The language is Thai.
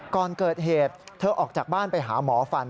ก่อนเกิดเหตุเธอออกจากบ้านไปหาหมอฟัน